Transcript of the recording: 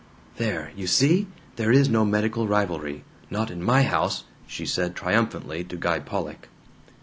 ("There! You see there is no medical rivalry. Not in my house!" she said triumphantly to Guy Pollock.)